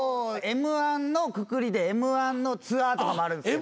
Ｍ−１のくくりでＭ−１のツアーとかもあるんです。